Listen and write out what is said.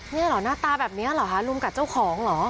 นี่เหรอหน้าตาแบบนี้เหรอคะลุมกัดเจ้าของเหรอ